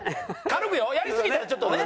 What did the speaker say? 軽くよやりすぎたらちょっとね。